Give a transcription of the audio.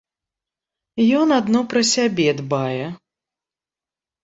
Ён адно пра сябе дбае.